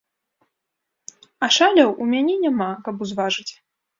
А шаляў у мяне няма, каб узважыць.